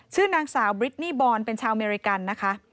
ชื่อนางสาวบริตนีบอร์นเป็นชาวอเมริกัน